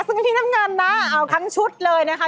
ซึ่งพี่น้ำเงินนะเอาทั้งชุดเลยนะคะ